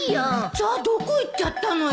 じゃあどこいっちゃったのよ